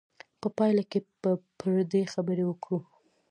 په پایله کې به پر دې خبرې وکړو.